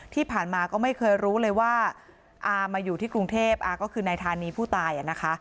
ที่ผ่านมาก็ไม่เคยรู้เลยว่าอามาอยู่ที่กรุงเทพอาก็คือนายธานีผู้ตายนะคะ